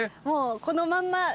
もうこのまんま。